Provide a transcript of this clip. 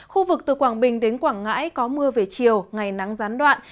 khu vực từ quảng bình đến quảng ngãi có mưa về chiều ngày nắng gián đoạn